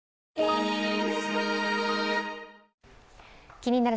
「気になる！